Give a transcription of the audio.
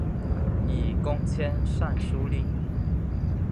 以功迁尚书令。